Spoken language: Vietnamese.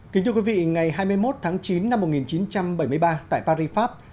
kính thưa quý vị ngày hai mươi một tháng chín năm một nghìn chín trăm bảy mươi ba tại paris pháp